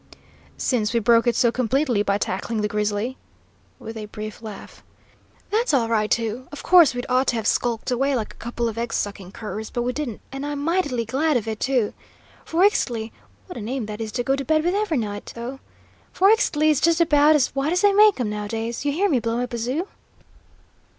"Since we broke it so completely by tackling the grizzly," with a brief laugh. "That's all right, too. Of course we'd ought to've skulked away like a couple of egg sucking curs, but we didn't, and I'm mightily glad of it, too. For Ixtli what a name that is to go to bed with every night, though! for Ixtli is just about as white as they make 'em, nowadays; you hear me blow my bazoo?"